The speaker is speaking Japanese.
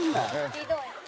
ひどい。